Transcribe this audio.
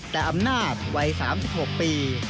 แต่อำนาจวัย๓๖ปี